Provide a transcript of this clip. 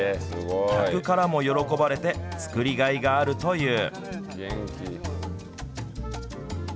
客からも喜ばれて作りがいがあるという。